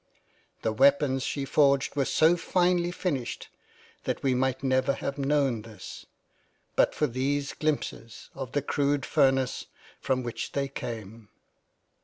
The weapons she forged were so finely finished that we might never have known this, but for these glimpses of the crude furnace from which they came.